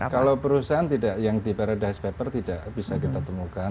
kalau perusahaan tidak yang di paradise paper tidak bisa kita temukan